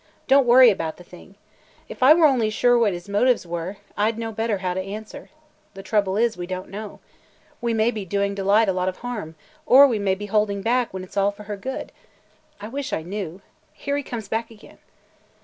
Don't worry about the thing. If I were only sure what his motives were, I 'd know better how to answer. The trouble is, we don't know. We may be doing Delight a lot of harm or we may be holding back when it 's all for her good. I wish I knew. Here he comes back again!"